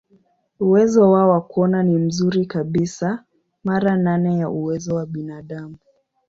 Uwezo wao wa kuona ni mzuri kabisa, mara nane ya uwezo wa binadamu.